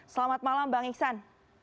selamat malam bang ihsan